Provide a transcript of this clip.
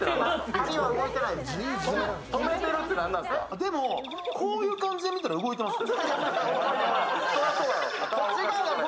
でも、こういう感じで見たら動いてますね。